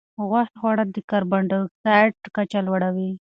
غوښې خوراک د کاربن ډای اکسایډ کچه لوړوي.